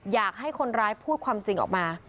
อยากให้คนร้ายพูดความจริงออกมา